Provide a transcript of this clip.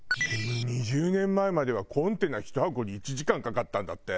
２０年前まではコンテナ１箱に１時間かかったんだって。